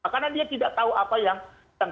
karena dia tidak tahu apa yang